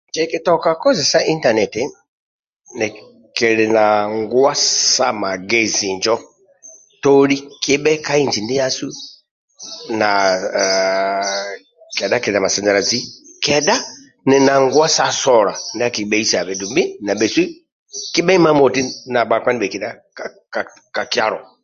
Kikitoka koseza intaneti nikili na nguwa sa magezi injo toli kibhe kabinji ndiasu na haaa kedha kili na masanyalazi kedha nili na nguwa sa sola ndia akinibheisabe dumbi na bhesu kibhe imamoti na bhakpa ka kyalo